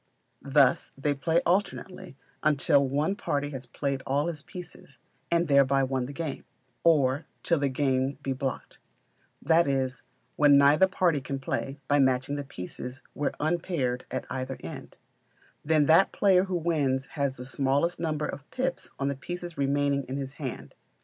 Thus they play alternately, either until one party has played all his pieces, and thereby won the game, or till the game be blocked; that is, when neither party can play, by matching the pieces where unpaired at either end; then that player wins who has the smallest number of pips on the pieces remaining in his hand.